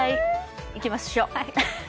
いきましょう。